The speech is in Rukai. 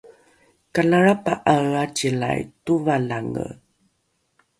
kalalrapa’ae acilai tovalange